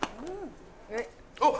あっ！